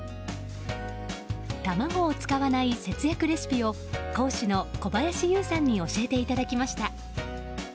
卵を使わない節約レシピを講師の小林ゆうさんに教えていただきました。